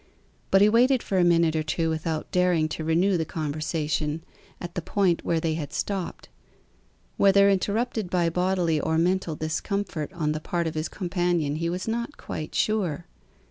But he waited for a minute or two without daring to renew the conversation at the point where they had stopped: whether interrupted by bodily or mental discomfort on the part of his companion he was not quite sure.